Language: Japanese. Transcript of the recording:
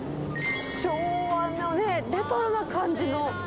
昭和なね、レトロな感じの。